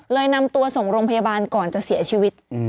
นำตัวส่งโรงพยาบาลก่อนจะเสียชีวิต